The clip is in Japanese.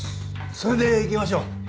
それで行きましょう。